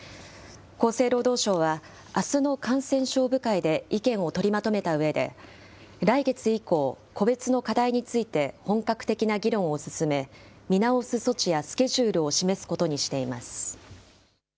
厚生労働省は、あすの感染症部会で意見を取りまとめたうえで、来月以降、個別の課題について本格的な議論を進め、見直す措置やスケジュールを示すことにしています。